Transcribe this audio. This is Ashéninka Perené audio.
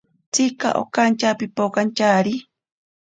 Tsika okantya pipokantyari.